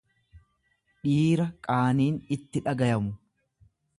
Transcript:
dhiira qaaniin'itti dhagayamu.